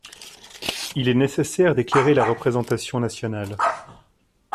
Il est nécessaire d’éclairer la représentation nationale.